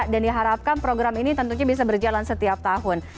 dan diharapkan program ini tentunya bisa berjalan setiap tahun